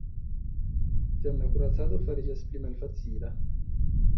Tiam la kuracado fariĝas pli malfacila.